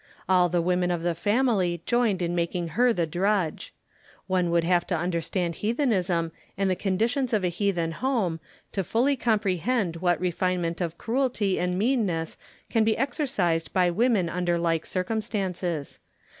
All the women of the family joined in making her the drudge. One would have to understand heathenism and the conditions of a heathen home to fully comprehend what refinement of cruelty and meanness can be exercised by women under like circumstances.